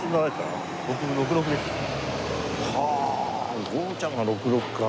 はあ五郎ちゃんが６６か。